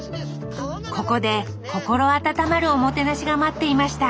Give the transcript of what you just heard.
ここで心温まるおもてなしが待っていました。